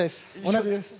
同じです。